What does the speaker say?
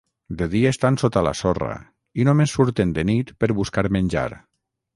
De dia estan sota la sorra, i només surten de nit per buscar menjar.